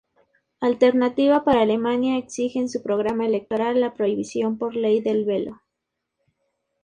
Alternativa para Alemania exige en su programa electoral la prohibición por ley del velo.